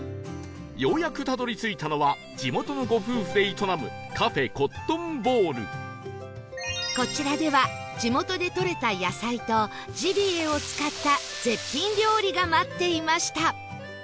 ようやくたどり着いたのは地元のご夫婦で営むこちらでは地元で採れた野菜とジビエを使った絶品料理が待っていました